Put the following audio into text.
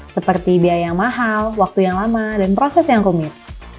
seperti biaya yang mahal waktu yang lama dan proses yang rumit